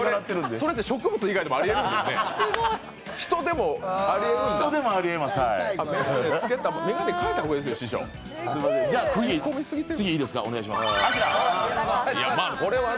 それって、植物以外でもありえるんですね。